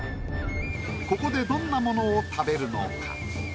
ここでどんなものを食べるのか？